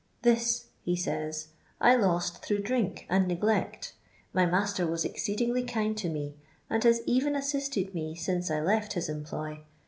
"This "he says, " I lost through drink and neglect Hy master was exceedingly kiAd to me, and haa even asdstbd me since J left his employ.